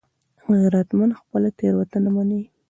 غیرتمند خپله تېروتنه مني